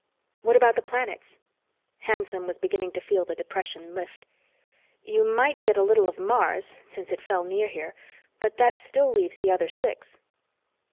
"What about the planets?" Hanson was beginning to feel the depression lift. "You might get a little of Mars, since it fell near here, but that still leaves the other six."